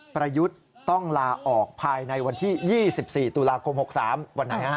ประยุทธ์ต้องลาออกภายในวันที่๒๔ตุลาคม๖๓วันไหน